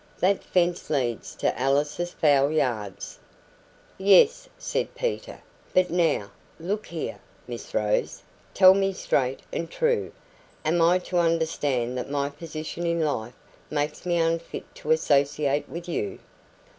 That fence leads to Alice's fowl yards " "Yes," said Peter. "But now, look here, Miss Rose tell me straight and true am I to understand that my position in life makes me unfit to associate with you?"